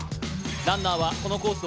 ランナーはこのコース